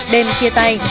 đêm chia tay